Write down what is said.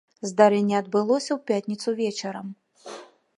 Здарэнне адбылося ў пятніцу вечарам.